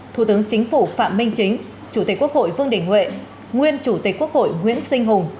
thủ tướng chính phủ phạm minh chính chủ tịch quốc hội vương đình huệ nguyên chủ tịch quốc hội nguyễn sinh hùng